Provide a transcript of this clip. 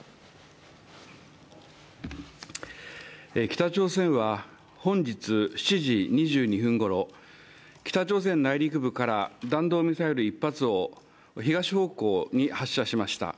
北朝鮮は本日７時２２分ごろ北朝鮮内陸部から弾道ミサイル１発を東方向に発射しました。